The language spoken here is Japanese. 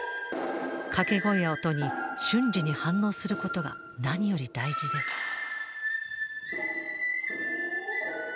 掛け声や音に瞬時に反応することが何より大事です。